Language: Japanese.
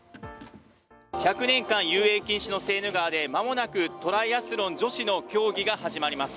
１００年間遊泳禁止のセーヌ川でまもなくトライアスロン女子の競技が始まります。